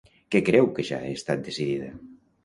Què creu que ja ha estat decidida?